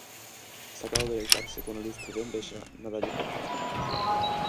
Sacado deleitarse cun alustro de envexa, nada lle pode facer.